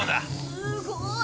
すごーい！